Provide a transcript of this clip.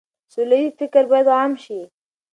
سوله ييز فکر بايد عام شي.